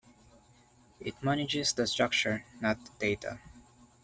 It manages the structure, not the data.